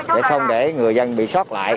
để không để người dân bị sốt